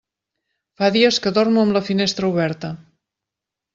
Fa dies que dormo amb la finestra oberta.